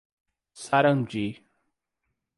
Sarandi